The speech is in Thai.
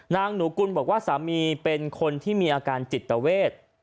นางหนูกุลบอกว่าสามีเป็นคนที่มีอาการจิตเวท